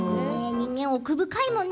人間は奥深いものね。